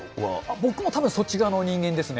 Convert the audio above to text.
僕もたぶんそっち側の人間ですね。